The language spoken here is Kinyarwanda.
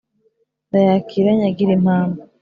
Ndayakira nyagira impamba